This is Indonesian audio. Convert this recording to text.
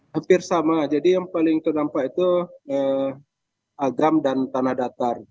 hampir sama jadi yang paling terdampak itu agam dan tanah datar